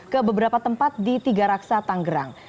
ke beberapa tempat di tiga raksa tanggerang